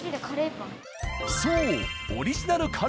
そう。